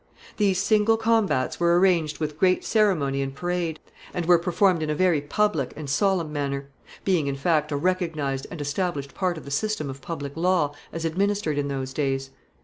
These single combats were arranged with great ceremony and parade, and were performed in a very public and solemn manner; being, in fact, a recognized and established part of the system of public law as administered in those days.